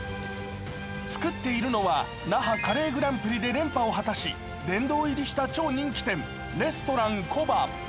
作っているのは、那覇カレーグランプリで連覇を果たし殿堂入りした超人気店・レストランＫＯＢＡ。